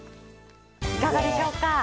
いかがでしょうか？